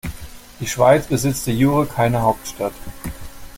Die Schweiz besitzt de jure keine Hauptstadt.